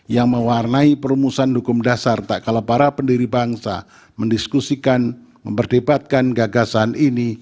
yang mewarnai perumusan hukum dasar tak kalah para pendiri bangsa mendiskusikan memperdebatkan gagasan ini